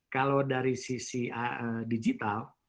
kalau dari sisi digital